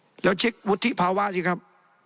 เดี๋ยวเช็ควุฒิภาวะสิครับ